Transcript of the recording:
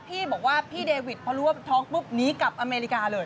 พี่บอกว่าพี่เดวิดพอรู้ว่าท้องปุ๊บหนีกลับอเมริกาเลย